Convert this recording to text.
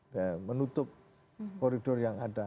dan menutup koridor yang ada